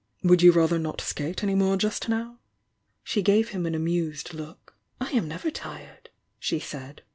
"Would you rather not skate any more just now?" She gave him an amused look. "I am never tired," she said.